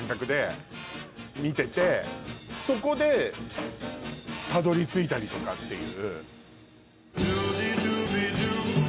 そこでたどり着いたりとかっていう。